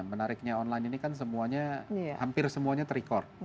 menariknya online ini kan semuanya hampir semuanya ter record